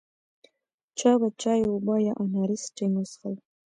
چا به چای، اوبه یا اناري سټینګ وڅښل.